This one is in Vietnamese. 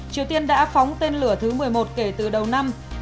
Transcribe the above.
triều tiên đã phóng tên lửa thứ một mươi một kể từ đầu năm